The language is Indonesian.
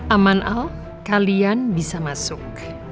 aman al kalian bisa masuk